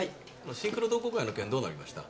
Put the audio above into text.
シンクロ同好会の件どうなりました？